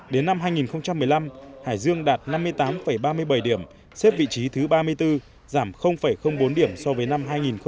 đến năm hai nghìn một mươi năm hải dương đạt năm mươi tám ba mươi bảy điểm xếp vị trí thứ ba mươi bốn giảm bốn điểm so với năm hai nghìn một mươi bảy